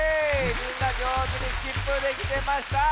みんなじょうずにスキップできてました！